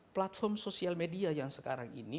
platform sosial media yang sekarang ini